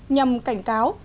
nhằm cảnh cáo